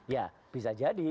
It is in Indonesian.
ya bisa jadi